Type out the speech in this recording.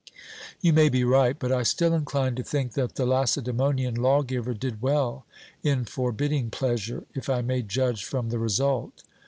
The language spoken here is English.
'You may be right, but I still incline to think that the Lacedaemonian lawgiver did well in forbidding pleasure, if I may judge from the result.